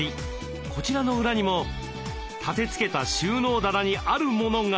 こちらの裏にも立てつけた収納棚にあるモノが。